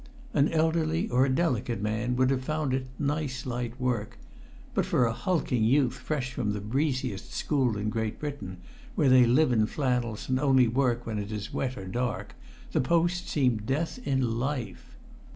An elderly or a delicate man would have found it nice light work; but for a hulking youth fresh from the breeziest school in Great Britain, where they live in flannels and only work when it is wet or dark, the post seemed death in life.